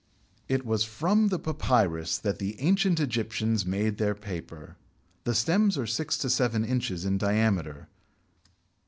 It was from the Papyrus that the ancient Egyptians made their paper. The stems are six to seven inches in diameter.